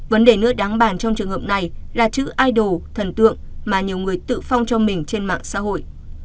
vấn đề nước đáng bàn trong trường hợp này là chữ idol thần tượng mà nhiều người tự phong cho mình trên mạng xã hội